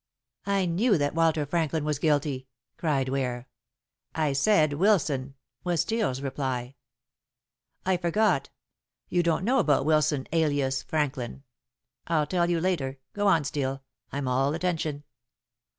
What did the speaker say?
"I knew that Walter Franklin was guilty," cried Ware. "I said Wilson," was Steel's reply. "I forgot; you don't know about Wilson alias Franklin. I'll tell you later. Go on, Steel. I'm all attention."